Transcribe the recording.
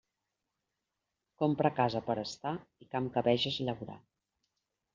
Compra casa per a estar i camp que veges llaurar.